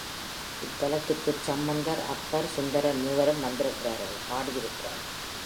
இத்தலத்துக்குச் சம்பந்தர், அப்பர், சுந்தரர் மூவரும் வந்திருக்கிறார்கள், பாடியிருக்கிறார்கள்.